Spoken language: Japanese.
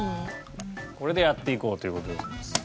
これでやっていこうという事でございます。